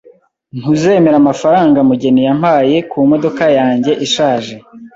Ntuzemera amafaranga Mugeni yampaye kumodoka yanjye ishaje.